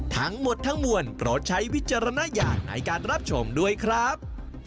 ทั้งหมดทั้งมวลโปรดใช้วิจารณญาณในการรับชมด้วยครับ